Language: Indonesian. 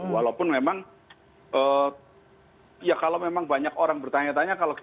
walaupun memang ya kalau memang banyak orang bertanya tanya